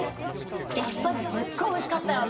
やっぱりすごいおいしかったやんな。